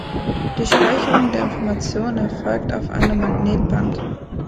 Die Speicherung der Informationen erfolgt auf einem Magnetband.